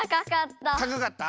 たかかった？